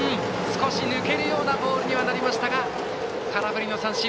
少し抜けるようなボールにはなりましたが空振り三振。